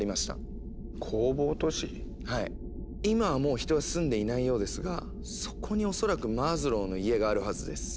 今はもう人は住んでいないようですがそこに恐らくマズローの家があるはずです。